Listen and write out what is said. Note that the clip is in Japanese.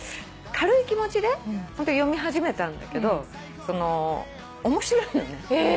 軽い気持ちで読み始めたんだけど面白いのね。